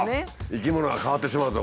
生き物が変わってしまうぞ